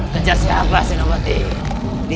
kejar siapa senobati